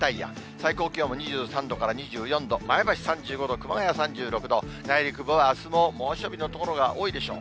最高気温も２３度から２４度、前橋３５度、熊谷３６度、内陸部はあすも猛暑日の所が多いでしょう。